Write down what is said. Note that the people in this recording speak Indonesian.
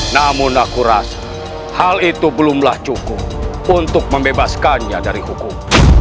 namun aku rasa hal itu belumlah cukup untuk membebaskannya dari hukum